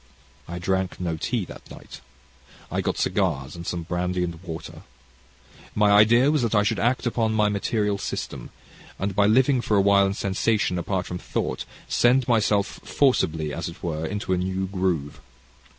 "I drank no tea that night. I got cigars and some brandy and water. My idea was that I should act upon my material system, and by living for a while in sensation apart from thought, send myself forcibly, as it were, into a new groove.